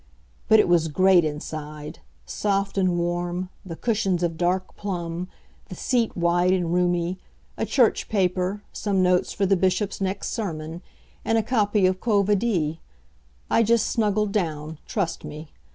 But it was great inside: soft and warm, the cushions of dark plum, the seat wide and roomy, a church paper, some notes for the Bishop's next sermon and a copy of Quo Vadis. I just snuggled down, trust me.